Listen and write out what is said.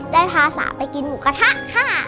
ได้พาสาไปกินหมูกระทะค่ะ